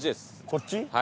こっち？